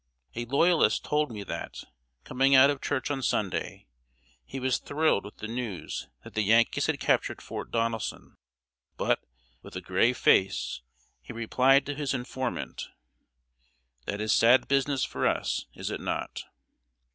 A Loyalist told me that, coming out of church on Sunday, he was thrilled with the news that the Yankees had captured Fort Donelson; but, with a grave face, he replied to his informant: "That is sad business for us, is it not?"